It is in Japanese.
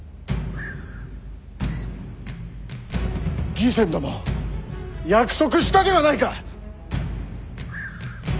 義仙殿約束したではないか！